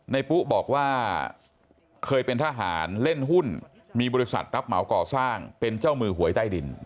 ปุ๊บอกว่าเคยเป็นทหารเล่นหุ้นมีบริษัทรับเหมาก่อสร้างเป็นเจ้ามือหวยใต้ดิน